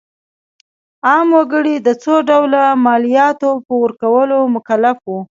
عام وګړي د څو ډوله مالیاتو په ورکولو مکلف وو.